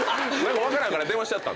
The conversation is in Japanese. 分からんから電話しちゃった。